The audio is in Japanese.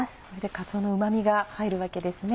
かつおのうま味が入るわけですね。